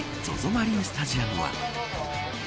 マリンスタジアムは。